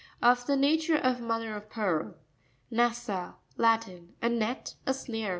—Of the nature of mother of pearl. Na'ssa.—Latin. A net, a snare.